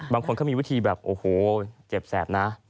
บางคนเขามีวิธีแบบโอ้โหเจ็บแสบนะ